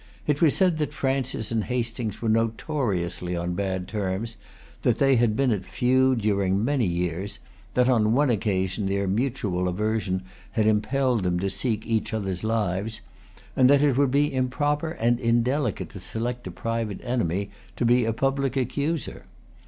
It was said that Francis and Hastings were notoriously on bad terms, that they had been at feud during many years, that on one occasion their mutual aversion had impelled them to seek each other's lives, and that it would be improper and indelicate to select a private enemy to be a public accuser.